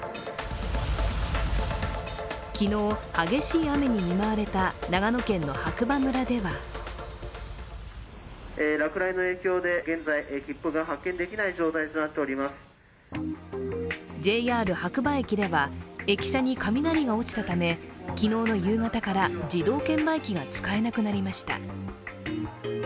昨日、激しい雨に見舞われた長野県白馬村ではＪＲ白馬駅では、駅舎に雷が落ちたため昨日の夕方から自動券売機が使えなくなりました。